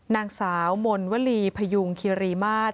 นางสาวมนวลีพยุงเคียรีมาก